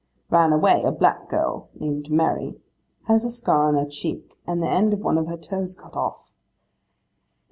'Ran away, a black girl, named Mary. Has a scar on her cheek, and the end of one of her toes cut off.